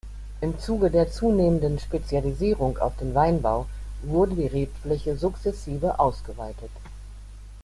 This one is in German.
Im Zuge der zunehmenden Spezialisierung auf den Weinbau wurde die Rebfläche sukzessive ausgeweitet.